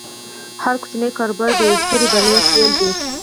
هر کوچنی کاروبار د یوې سترې بریا پیل دی۔